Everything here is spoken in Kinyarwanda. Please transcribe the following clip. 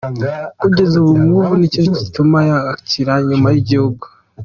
Kugeza ubu ngubu ni cyo gituma yari akiri inyuma y'igihugu.